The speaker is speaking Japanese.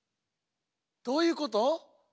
どういうこと？